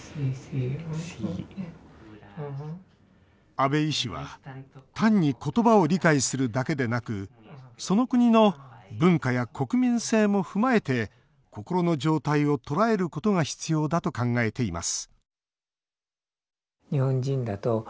阿部医師は単に言葉を理解するだけでなくその国の文化や国民性も踏まえて心の状態を捉えることが必要だと考えています